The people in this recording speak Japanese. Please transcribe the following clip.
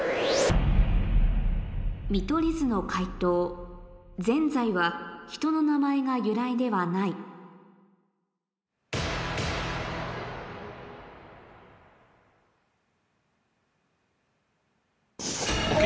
見取り図の解答ぜんざいは人の名前が由来ではないＯＫ。